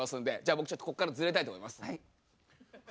僕ちょっとここからずれたいと思います。